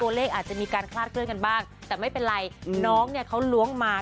เลขอาจจะมีการคลาดเคลื่อนกันบ้างแต่ไม่เป็นไรน้องเนี่ยเขาล้วงมา